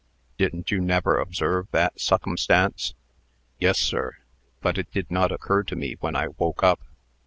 Didn't you never observe that succumstance?" "Yes, sir; but it did not occur to me when I woke up.